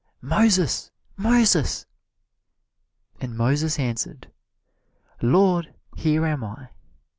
"Moses, Moses!" And Moses answered, "Lord, here am I."